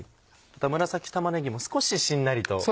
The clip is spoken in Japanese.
紫玉ねぎも少ししんなりとしますね。